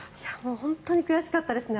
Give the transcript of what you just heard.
本当に悔しかったですね。